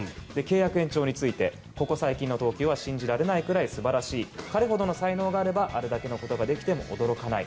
で、契約延長についてここ最近の投球は信じられないくらい素晴らしい彼ほどの才能があればあれほどのことができても驚かない。